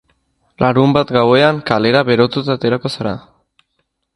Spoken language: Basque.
Larunbat gauetan, kalera berotuta aterako zara!